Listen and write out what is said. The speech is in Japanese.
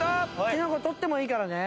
キノコ取ってもいいからね。